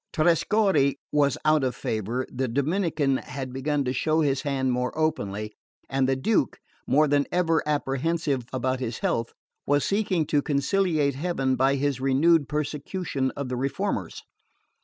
Trescorre was out of favour, the Dominican had begun to show his hand more openly, and the Duke, more than ever apprehensive about his health, was seeking to conciliate heaven by his renewed persecution of the reformers.